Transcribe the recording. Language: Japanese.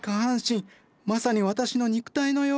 まさに私の肉体のよう。